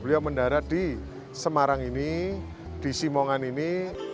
beliau mendarat di semarang ini di simongan ini